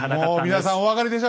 もう皆さんお分かりでしょ？